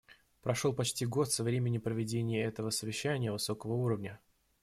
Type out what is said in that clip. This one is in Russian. Прошел почти год со времени проведения этого совещания высокого уровня.